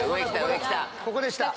ここでした。